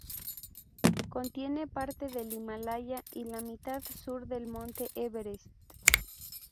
Contiene parte del Himalaya y la mitad sur del monte Everest.